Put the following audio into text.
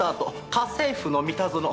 「家政夫のミタゾノ」